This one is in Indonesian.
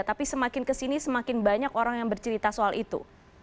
tapi semakin kesini semakin banyak orang yang bercerita soal itu